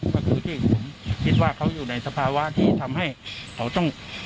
ก็คือที่ผมคิดว่าเขาอยู่ในสภาวะที่ทำให้เขาต้อง